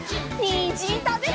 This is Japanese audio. にんじんたべるよ！